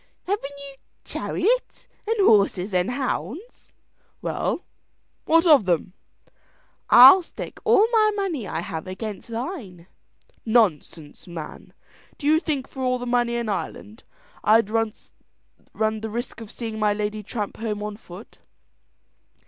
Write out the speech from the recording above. "Haven't you chariot and horses and hounds?" "Well, what of them!" "I'll stake all the money I have against thine." "Nonsense, man! Do you think for all the money in Ireland, I'd run the risk of seeing my lady tramp home on foot?"